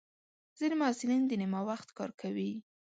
ځینې محصلین د نیمه وخت کار کوي.